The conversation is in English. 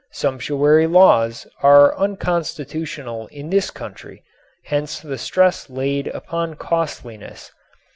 Sumptuary laws are unconstitutional in this country, hence the stress laid upon costliness.